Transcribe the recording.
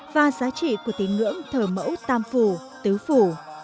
và giá trị của tiếng ngưỡng thờ mẫu tam phù tứ phù